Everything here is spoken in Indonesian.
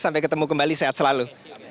sampai ketemu kembali sehat selalu